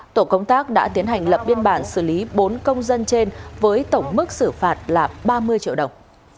tổ công tác đã tiến hành lập biên bản xử lý bốn công dân trên với tổng mức xử phạt là ba mươi triệu đồng